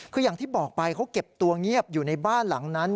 คืออย่างที่บอกไปเขาเก็บตัวเงียบอยู่ในบ้านหลังนั้น